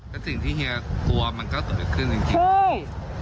และสิ่งที่เฮียกลัวมันก็เกิดขึ้นจริง